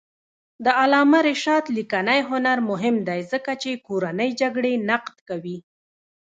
د علامه رشاد لیکنی هنر مهم دی ځکه چې کورنۍ جګړې نقد کوي.